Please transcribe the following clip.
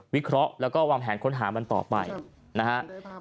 วิเคราะห์แล้วก็วางแผนค้นหามันต่อไปนะครับ